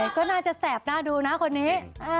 ก็น่าจะแสบหน้าดูนะคนนี้